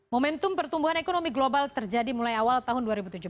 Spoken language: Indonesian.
momentum pertumbuhan ekonomi global terjadi mulai awal tahun dua ribu tujuh belas